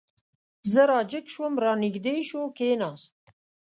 زه را جګ شوم، را نږدې شو، کېناست.